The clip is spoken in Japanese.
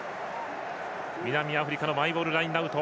南アフリカのマイボールラインアウト。